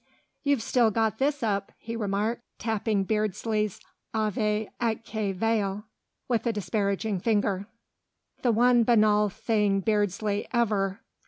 "You've still got this up," he remarked, tapping Beardsley's "Ave Atque Vale" with a disparaging finger. "The one banal thing Beardsley ever....